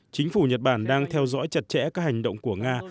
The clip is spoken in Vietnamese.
chính phủ nhật bản đang theo dõi chặt chẽ các hành động của nga